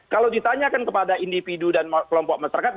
kalau ditanyakan kepada individu dan kelompok masyarakat